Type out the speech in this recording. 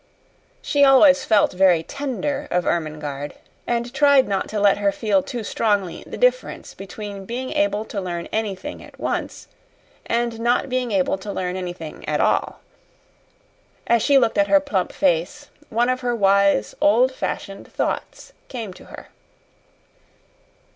She always felt very tender of Ermengarde, and tried not to let her feel too strongly the difference between being able to learn anything at once, and not being able to learn anything at all. As she looked at her plump face, one of her wise, old fashioned thoughts came to her.